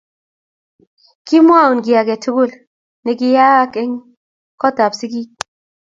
Kimwou kiy age tugul nekikayaak eng' kootab sigiikyik.